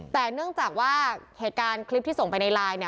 แต่เนื่องจากว่าเหตุการณ์คลิปที่ส่งไปในไลน์เนี่ย